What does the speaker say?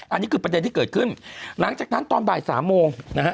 อันนี้คือประเด็นที่เกิดขึ้นหลังจากนั้นตอนบ่ายสามโมงนะฮะ